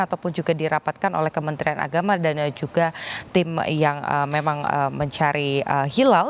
ataupun juga dirapatkan oleh kementerian agama dan juga tim yang memang mencari hilal